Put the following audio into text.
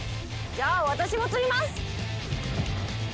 じゃあ私も釣ります！